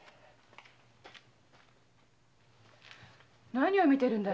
何を見てるんだ